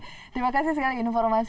terima kasih segala informasi